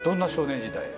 どんな少年時代を？